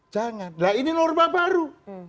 jangan nah ini norma baru